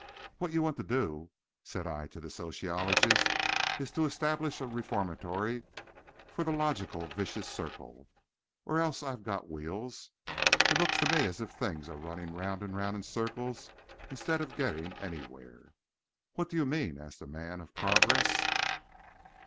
"What you want to do," said I to the sociologist, "is to establish a reformatory for the Logical Vicious Circle. Or else I've got wheels. It looks to me as if things are running round and round in circles instead of getting anywhere." "What do you mean?" asked the man of progress.